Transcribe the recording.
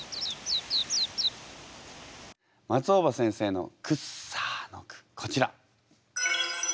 松尾葉先生の「くっさー」の句こちら。